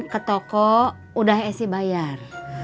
ke toko udah esy bayar